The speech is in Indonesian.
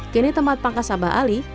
kini tempat pangkas abah ali